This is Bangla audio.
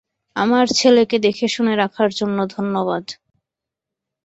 আমার ছেলেকে দেখেশুনে রাখার জন্য ধন্যবাদ।